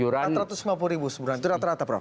empat ratus lima puluh ribu sebulan itu rata rata prof